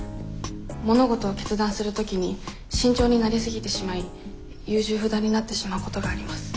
物事を決断する時に慎重になりすぎてしまい優柔不断になってしまうことがあります。